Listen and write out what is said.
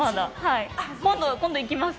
今度行きます。